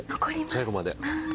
最後まで。